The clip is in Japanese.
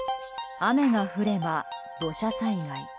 雨が降れば土砂災害。